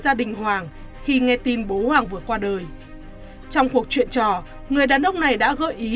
gia đình hoàng khi nghe tin bố hoàng vừa qua đời trong cuộc chuyện trò người đàn ông này đã gợi ý